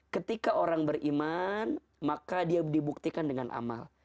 ketika orang beriman maka dia dibuktikan dengan amal